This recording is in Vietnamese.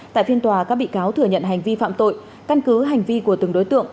tại phiên tòa các bị cáo thừa nhận hành vi phạm tội căn cứ hành vi của từng đối tượng